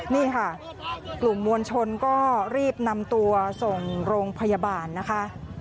นี่ค่ะกลุ่มมวลชนก็รีบนำตัวส่งโรงพยาบาลนะคะ